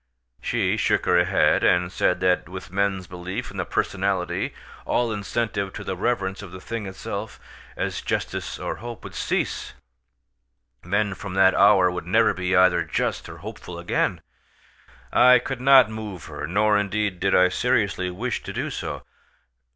She shook her head, and said that with men's belief in the personality all incentive to the reverence of the thing itself, as justice or hope, would cease; men from that hour would never be either just or hopeful again. I could not move her, nor, indeed, did I seriously wish to do so.